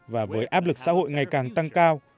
và với áp lực xã hội ngày càng tăng cao